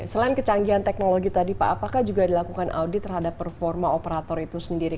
selain kecanggihan teknologi tadi pak apakah juga dilakukan audit terhadap performa operator itu sendiri